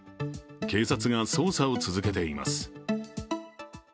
警察が捜査を続けています。